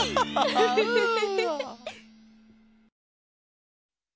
フフフフフ。